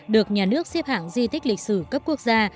được nhà nước xếp hạng di tích lịch sử cấp quốc gia